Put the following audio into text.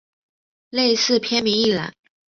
类似片名一览